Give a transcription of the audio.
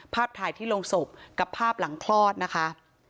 ภาพถ่ายที่โรงศพกับภาพหลังคลอดนะคะ